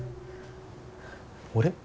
俺？